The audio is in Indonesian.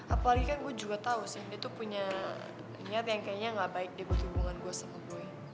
apalagi kan gue juga tau sih dia tuh punya niat yang kayaknya gak baik dia buat hubungan gue sama gue